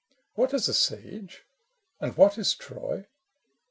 " What is a siege and what is Troy